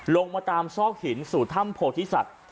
ลงมาตามซอกหินสู่ถ้ำโพธิสัตว์